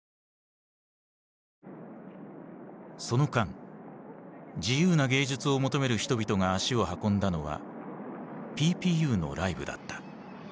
その間自由な芸術を求める人々が足を運んだのはＰＰＵのライブだった。